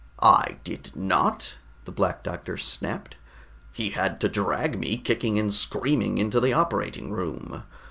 "I did not!" the Black Doctor snapped. "He had to drag me kicking and screaming into the operating room.